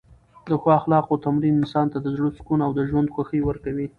د ښو اخلاقو تمرین انسان ته د زړه سکون او د ژوند خوښۍ ورکوي.